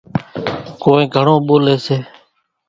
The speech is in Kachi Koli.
ڪونئين گھڻون ٻوليَ سي۔